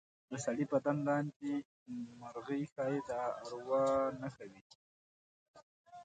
د سړي بدن لاندې مرغۍ ښایي د اروا نښه وي.